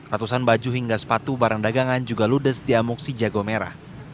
ratusan baju hingga sepatu barang dagangan juga ludes di amuk si jago merah